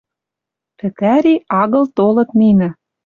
Пӹтӓри, агыл толыт нинӹ.